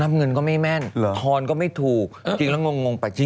นับเงินก็ไม่แม่นทอนก็ไม่ถูกจริงแล้วงงไป